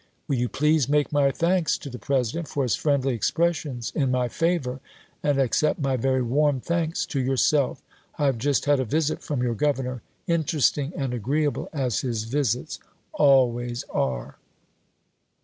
Will you please make my thanks to the President for his friendly expressions in Fremont my favor, and accept my very warm thanks to yourself, j^^g'^ggo' I have just had a visit from your governor, interesting ms. and agreeable as his visits always are.